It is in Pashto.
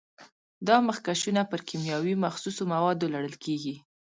دا مخکشونه پر کیمیاوي مخصوصو موادو لړل کېږي.